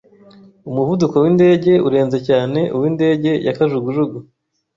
Umuvuduko windege urenze cyane uw'indege ya kajugujugu.